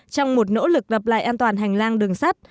trong một nỗ lực đập lại an toàn hành lang đường sắt